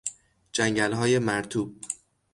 جنگلهای مرطوب